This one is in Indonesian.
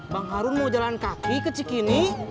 bang harun mau jalan kaki ke cikini